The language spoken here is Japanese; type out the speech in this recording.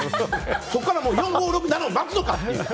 そこから４、５、６、７を待つのかと。